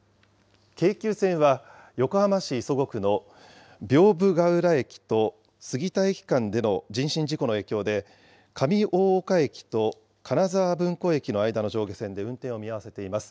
京急線は横浜市磯子区の屏風浦駅とすぎた駅間での人身事故の影響で、上大岡駅と金沢文庫駅の間の上下線で運転を見合わせています。